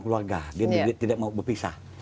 keluarga dia tidak mau berpisah